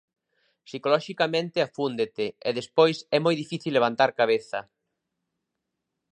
Psicoloxicamente afúndete e despois é moi difícil levantar cabeza.